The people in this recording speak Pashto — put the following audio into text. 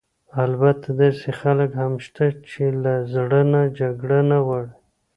البته داسې خلک هم شته چې له زړه نه جګړه نه غواړي.